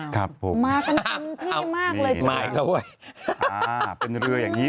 ครับผมหมายถึงที่มากเลยจริงค่ะเป็นเรืออย่างนี้